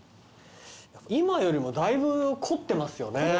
今よりもだいぶ凝ってますよね。